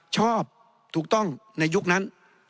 ชอบถูกต้องในยุคนั้น